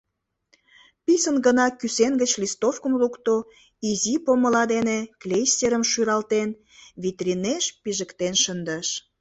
Писын гына кӱсен гыч листовкым лукто, изи помыла дене клейстерым шӱралтен, витринеш пижыктен шындыш.